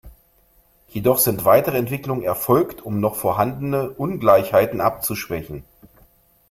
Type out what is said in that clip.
Jedoch sind weitere Entwicklungen erfolgt, um noch vorhandene Ungleichheiten abzuschwächen.